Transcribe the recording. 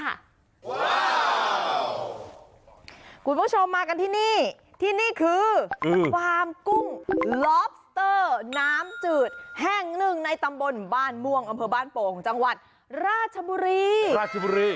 คุณผู้ชมมากันที่นี่ที่นี่คือฟาร์มกุ้งลอบสเตอร์น้ำจืดแห่งหนึ่งในตำบลบ้านม่วงอำเภอบ้านโป่งจังหวัดราชบุรีราชบุรี